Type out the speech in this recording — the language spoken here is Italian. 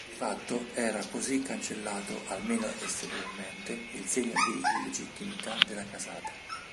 Di fatto, era così cancellato almeno esteriormente il segno di illegittimità dalla casata.